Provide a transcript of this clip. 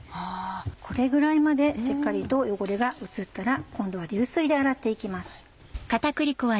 これぐらいまでしっかりと汚れが移ったら今度は流水で洗って行きます。